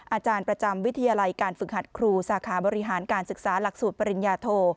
อาจารย์ประจำวิทยาลัยการฝึกหัดครูสาขาบริหารการศึกษาหลักสูตรปริญญาโท